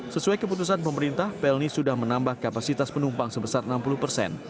sesuai keputusan pemerintah pelni sudah menambah kapasitas penumpang sebesar enam puluh persen